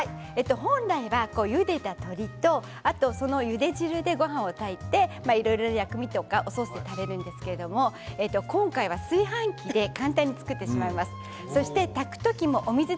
本来はゆでた鶏とゆで汁でごはんを炊いて薬味とかをソースで食べるんですが今日は炊飯器で簡単に作ってしまいます。